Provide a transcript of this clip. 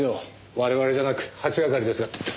我々じゃなく８係ですが。